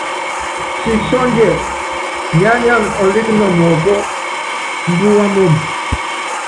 Siki sɔ́ndiɛ, yiá nyána ɔlíki nɔ yɔpɔ́, mbúwa moombo.